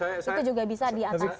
itu juga bisa diatasi